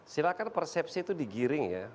silahkan persepsi itu digiring ya